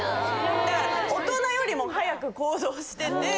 大人よりも早く行動してて。